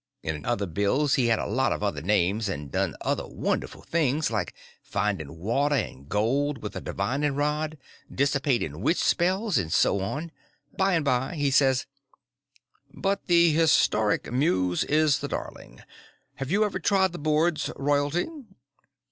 In other bills he had a lot of other names and done other wonderful things, like finding water and gold with a "divining rod," "dissipating witch spells," and so on. By and by he says: "But the histrionic muse is the darling. Have you ever trod the boards, Royalty?"